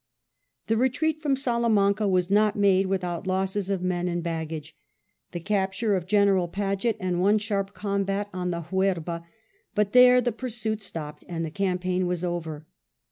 The retreat from Salamanca was not made without losses of men and baggage, the capture of General Paget, and one sharp combat on the Huerba ; but there the pursuit stopped, and the campaign was over.